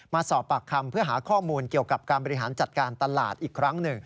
มาสอบปากคำเพื่อหาข้อมูลเกี่ยวกับการบริหารจัดการตลาดอีกครั้งหนึ่ง